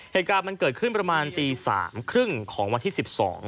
เหตุการณ์มันเกิดขึ้นประมาณตี๓๓๐ของวันที่๑๒